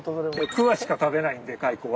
クワしか食べないんで蚕は。